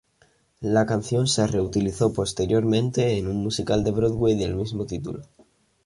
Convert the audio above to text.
La canción se reutilizó posteriormente en un musical de Broadway del mismo título.